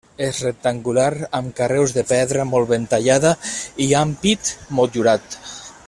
És rectangular, amb carreus de pedra molt ben tallada i ampit motllurat.